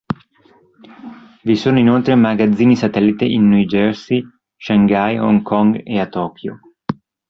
Vi sono inoltre magazzini satellite in New Jersey, Shanghai, Hong Kong e a Tokyo.